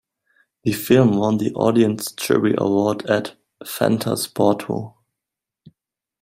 The film won the "Audience Jury Award" at Fantasporto.